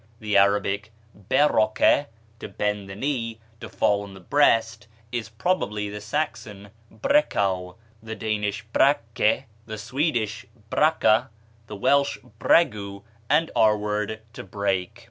The Arabic baraka, to bend the knee, to fall on the breast, is probably the Saxon brecau, the Danish bräkke, the Swedish bräcka, Welsh bregu, and our word to break.